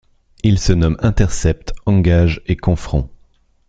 Ils se nomment Intercept, Engage et Confront.